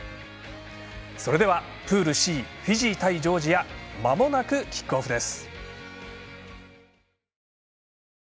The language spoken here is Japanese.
それではプールＣ、フィジー対ジョージアまもなく、キックオフです。